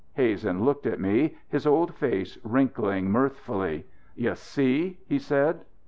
Hazen looked at me, his old face wrinkling mirthfully. "You see?" he said.